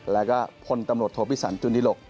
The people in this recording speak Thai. แล้วก็พลตำรวจโทพิสันจุนิหลก